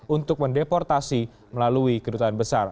untuk mendeportasi melalui kedutaan besar